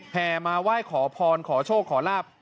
แห่มาไหว้ขอพรขอโชคขอลาบ